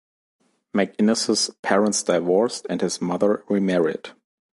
MacInnes's parents divorced and his mother remarried.